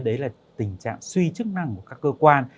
đấy là tình trạng suy chức năng của các cơ quan